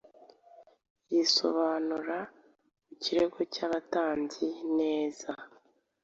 Yisobanura ku kirego cy’abatambyi neza,